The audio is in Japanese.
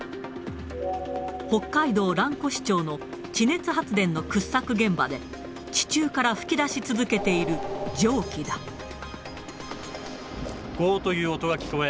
北海道蘭越町の地熱発電の掘削現場で、地中から噴き出し続けていごーという音が聞こえ、